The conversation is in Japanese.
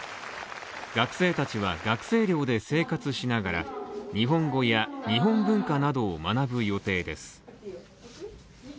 学生たちは学生寮で生活しながら日本語や日本文化などを学ぶ予定です。